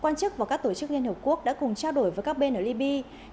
quan chức và các tổ chức liên hợp quốc đã cùng trao đổi với các bên ở libya